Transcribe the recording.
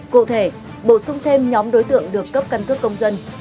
cụ thể bổ sung thêm nhóm đối tượng được cấp căn cước công dân